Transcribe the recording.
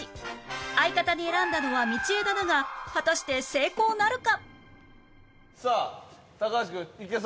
相方に選んだのは道枝だが果たして成功なるか！？